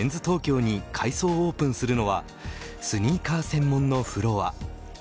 東京に改装オープンするのはスニーカー専門のフロア。